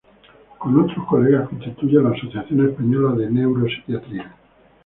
Con otros colegas constituye la Asociación Española de Neuropsiquiatría.